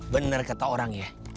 bener kata orang ya